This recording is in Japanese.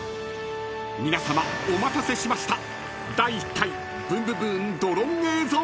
［皆さまお待たせしました］